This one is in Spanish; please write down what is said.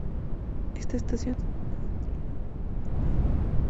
Esta estación se ubica entre la "Rua Prof.